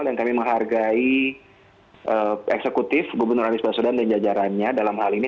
dan kami menghargai eksekutif gubernur aris basudan dan jajarannya dalam hal ini